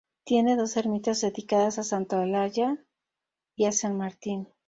Tiene dos ermitas dedicadas a Santa Olalla y a San Martín.